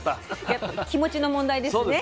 やっぱ気持ちの問題ですね。